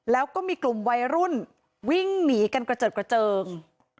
แล้วก็มีกลุ่มวัยรุ่นวิ่งหนีกันกระเจิดกระเจิง